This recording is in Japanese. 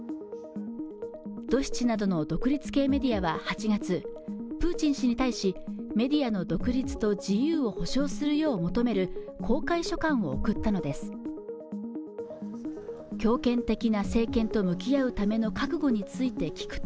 ドシチなどの独立系メディアは８月プーチン氏に対しメディアの独立と自由を保障するよう求める公開書簡を送ったのです強権的な政権と向き合うための覚悟について聞くと